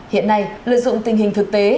hiện nay lợi dụng tình hình thực tế